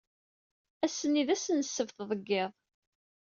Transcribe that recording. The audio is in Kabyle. Ass-nni d ass n ssebt, deg yiḍ.